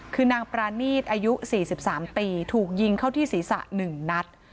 คือนางปรานีตอายุ๔๓ปีถูกยิงเข้าที่ศีรษะ๑นัด